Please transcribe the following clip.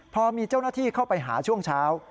พอมีเจ้าหน้าที่เข้าไปหาช่วงเช้า